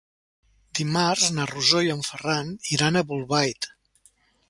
Dimarts na Rosó i en Ferran iran a Bolbait.